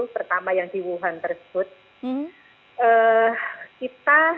pertama yang di wuhan tersebut